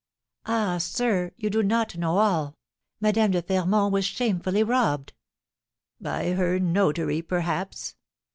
"Ah, sir! you do not know all; Madame de Fermont was shamefully robbed." "By her notary, perhaps?